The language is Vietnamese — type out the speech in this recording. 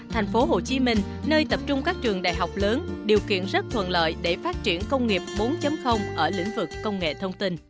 thành phố hồ chí minh nơi tập trung các trường đại học lớn điều kiện rất thuận lợi để phát triển công nghiệp bốn ở lĩnh vực công nghệ thông tin